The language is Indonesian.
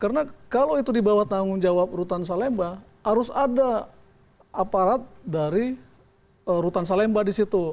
karena kalau itu di bawah tanggung jawab rutan salemba harus ada aparat dari rutan salemba di situ